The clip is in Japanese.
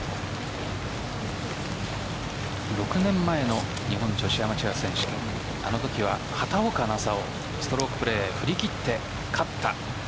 ６年前の日本女子アマチュア選手権あのときは畑岡奈紗をストロークで振り切って勝った。